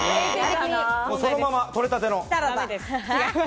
そのまま取れたての。